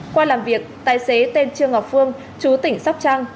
qua làm việc tài xế tên trương ngọc phương chú tỉnh sóc trăng